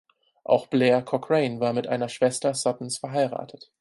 Auch Blair Cochrane war mit einer Schwester Suttons verheiratet.